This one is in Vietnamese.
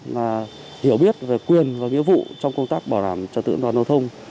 mà hiểu biết về quyền và nghĩa vụ trong công tác bảo đảm trật tự an toàn giao thông